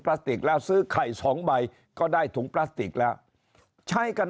พลาสติกแล้วซื้อไข่สองใบก็ได้ถุงพลาสติกแล้วใช้กัน